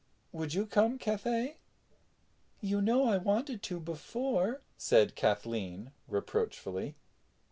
Would you come, Cathay?" "You know I wanted to before," said Kathleen reproachfully.